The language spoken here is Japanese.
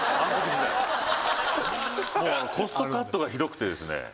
もうコストカットがひどくてですね。